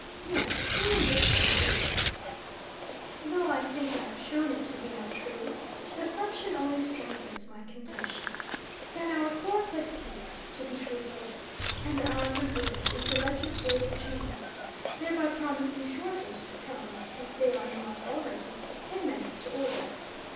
Yet, assuming this to be true, though I think I have shown it to be untrue, the assumption only strengthens my contention, that our courts have ceased to be true courts, and are converted into legislative chambers, thereby promising shortly to become, if they are not already, a menace to order.